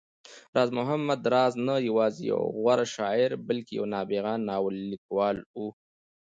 راز محمد راز نه يوازې يو غوره شاعر، بلکې يو نابغه ناول ليکوال و